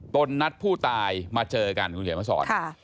นัดผู้ตายมาเจอกันคุณเขียนมาสอน